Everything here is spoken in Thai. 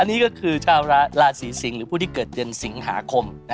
นี่ก็คือชาวราศีสิงศ์หรือผู้ที่เกิดเดือนสิงหาคม